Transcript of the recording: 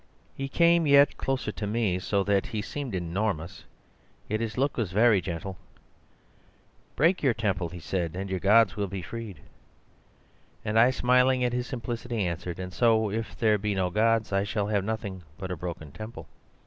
"He came yet closer to me, so that he seemed enormous; yet his look was very gentle. "'Break your temple,' he said, 'and your gods will be freed.' "And I, smiling at his simplicity, answered: 'And so, if there be no gods, I shall have nothing but a broken temple.